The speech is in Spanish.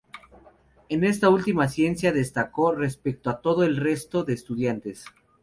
En esta última ciencia destacó respecto a todo el resto de estudiantes.